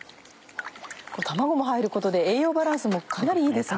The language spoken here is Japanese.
卵も入ることで栄養バランスもかなりいいですね。